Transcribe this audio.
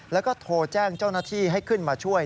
แล้วก็โทรแจ้งเจ้าหน้าที่ให้ขึ้นมาช่วย